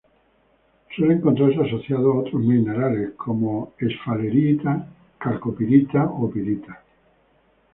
Suele encontrarse asociado a otros minerales como: esfalerita, calcopirita o pirita.